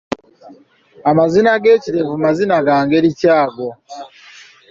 Amazina g’ekirevu mazina ga ngeri ki ago?